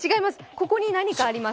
ここに何かあります。